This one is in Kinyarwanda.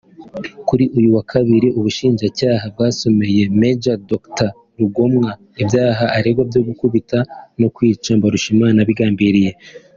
Kuri uyu wa kabiri Ubushinjacyaha bwasomeye Maj Dr Rugomwa ibyaha aregwa byo gukubita no kwica Mbarushimana abigambiriye